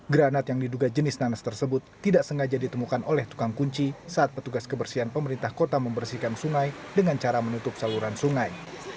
granat yang diduga jenis nanas tersebut tidak sengaja ditemukan oleh tukang kunci saat petugas kebersihan pemerintah kota membersihkan sungai dengan cara menutup saluran sungai